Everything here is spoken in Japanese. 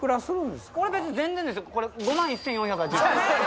これ５万１，４８０円。